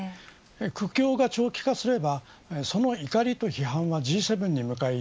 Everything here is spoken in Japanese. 苦境が長期化すればその怒りと批判はＧ７に向かい